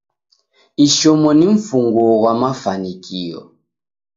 Ishomo ni mfunguo ghwa mafanikio.